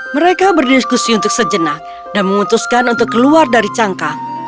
mereka berdiskusi untuk sejenak dan memutuskan untuk keluar dari cangkang